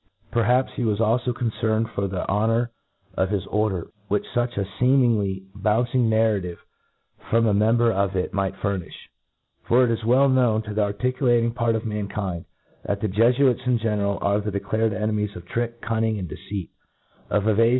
Per haps he was alfo concerned for the honour of his , order, which fuch a feemingly bouncing nar » r tive from a member of it might furnifh ; for, it IS well known to the articulating part of man kind, that the Jefuits in general are the declared enemies of trick, cunning, and deceit j — of eva ^.